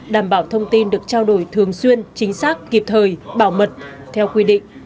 đảm bảo thông tin được trao đổi thường xuyên chính xác kịp thời bảo mật theo quy định